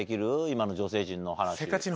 今の女性陣の話。